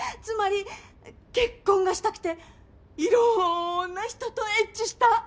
つまり結婚がしたくていろんな人とエッチした。